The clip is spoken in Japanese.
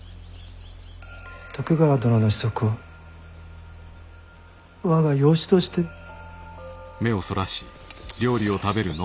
徳川殿の子息を我が養子としてえ。